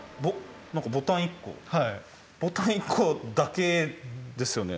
何かボタン１個ボタン１個だけですよね。